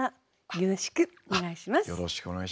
よろしくお願いします。